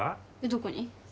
どこに？